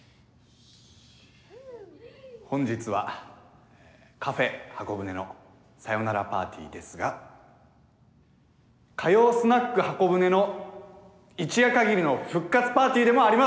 本日はカフェ・箱舟のさよならパーティーですが歌謡スナック・箱舟の一夜限りの復活パーティーでもあります。